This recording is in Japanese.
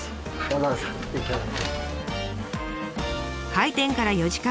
開店から４時間後。